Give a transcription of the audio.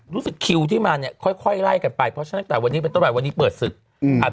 รู้สึกคิวที่มาเนี่ยค่อยไล่กันไปเพราะฉะนั้นแต่วันนี้เป็นตอนแรกวันนี้เปิดศึกษ์